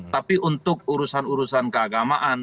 tapi untuk urusan urusan keagamaan